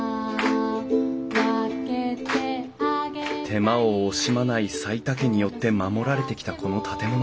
手間を惜しまない齋田家によって守られてきたこの建物。